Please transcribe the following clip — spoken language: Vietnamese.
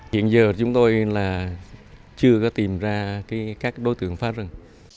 hiện giờ chúng tôi chưa tìm ra các đối tượng phá rừng